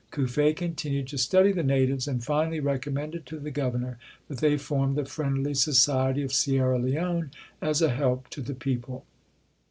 Cuffe continued to study the natives and finally recommended to the Governor that they form ''The Friendly Society of Sierra Leone" as a help to the people.